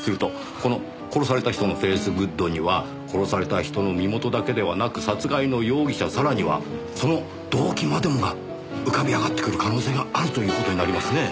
するとこの殺された人のフェイスグッドには殺された人の身元だけではなく殺害の容疑者さらにはその動機までもが浮かび上がってくる可能性があるという事になりますねぇ。